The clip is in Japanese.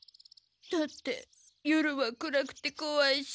だって夜は暗くてこわいし。